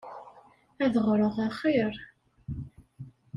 Ad ɣreɣ axir.